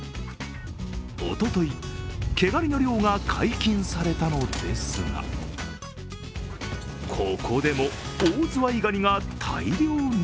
おととい、毛がにの漁が解禁されたのですがここでもオオズワイガニが大漁に。